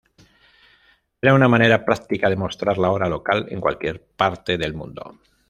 Era una manera practica de mostrar la hora local en cualquier parte del mundo.